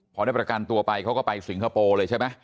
พอได้ประกันตัวไปเขาก็ไปสิงคโปร์เลยใช่ไหม